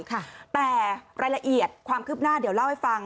แต่รายละเอียดความคืบหน้าเดี๋ยวเล่าให้ฟัง